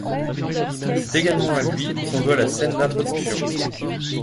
C'est également à lui que l'on doit la scène d'introduction.